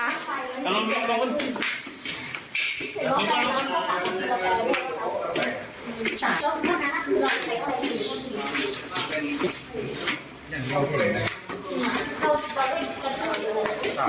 มันมา